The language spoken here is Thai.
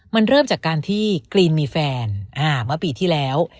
มันเริ่มจากการที่กรีนมีแฟนเมื่อปีที่แล้ว